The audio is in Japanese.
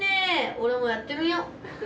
俺もやってみよう。